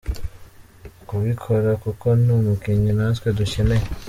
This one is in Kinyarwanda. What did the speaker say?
kubikora kuko ni umukinnyi natwe ducyeneye.